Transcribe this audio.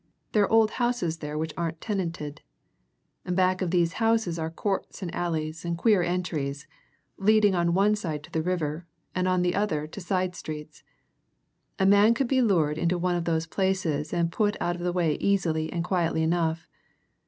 There are old houses there which aren't tenanted. Back of these houses are courts and alleys and queer entries, leading on one side to the river, and on the other to side streets. A man could be lured into one of those places and put out of the way easily and quietly enough.